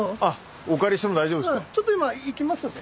お借りしても大丈夫ですか？